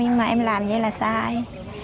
nhưng mà em làm vậy là sai